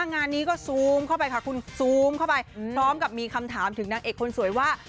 งานนี้ก็ซูมเข้าไปค่ะคุณซูมเข้าไปพร้อมกับมีคำถามถึงนางเอกคนสวยว่า